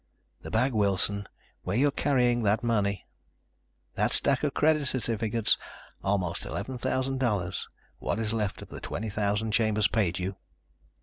The bag, Wilson, where you are carrying that money. That stack of credit certificates. Almost eleven thousand dollars, what is left of the twenty thousand Chambers paid you."